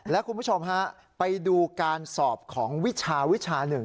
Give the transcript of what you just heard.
และคุณผู้ชมฮะไปดูการสอบของวิชาวิชาหนึ่ง